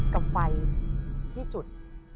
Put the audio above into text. กับไฟที่จุด